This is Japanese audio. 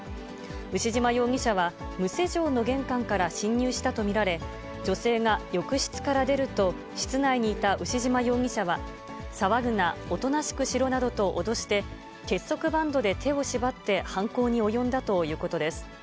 牛島容疑者は、無施錠の玄関から侵入したと見られ、女性が浴室から出ると、室内にいた牛島容疑者は、騒ぐな、おとなしくしろなどと脅して、結束バンドで手を縛って犯行に及んだということです。